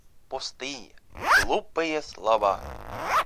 Пустые, глупые слова!